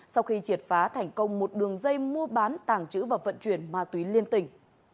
sau khi triệt phá thành công một đường dây mua bán tàng trữ và vận chuyển ma túy liên tỉnh